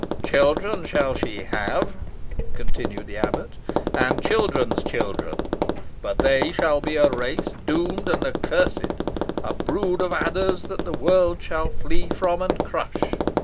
"Children shall she have," continued the abbot, "and children's children, but they shall be a race doomed and accursed a brood of adders, that the world shall flee from and crush.